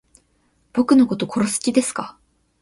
僕のこと殺す気ですか